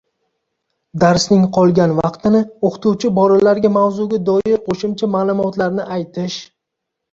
darsning qolgan vaqtini o‘qituvchi bolalarga mavzuga doir qo‘shimcha ma’lumotlarni aytish